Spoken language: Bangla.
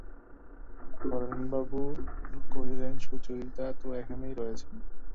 হারানবাবু কহিলেন, সুচরিতা তো এখানেই রয়েছেন।